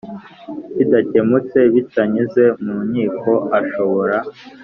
kidakemutse bitanyuze mu nkiko ashobora